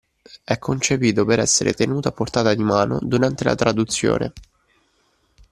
È concepito per essere tenuto a portata di mano durante la traduzione.